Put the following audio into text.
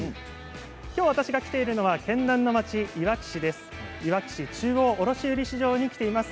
今日、私が来ているのは県南の町、いわき市です。